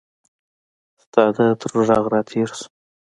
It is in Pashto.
ستا د عطرو ږغ راتیر سو